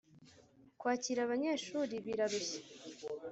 kwakira abanyeshuri birarushya.